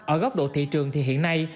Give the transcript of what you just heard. ở góc độ thị trường thì hiện nay